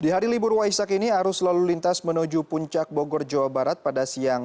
di hari libur waisak ini arus lalu lintas menuju puncak bogor jawa barat pada siang